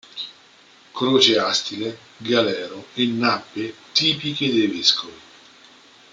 Croce astile, galero e nappe tipiche dei vescovi.